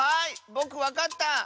ぼくわかった！